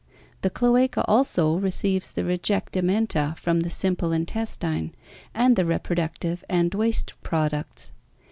The cloaca also receives the rejectamenta from the simple intestine and the reproductive and waste products.